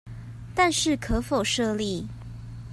但是可否設立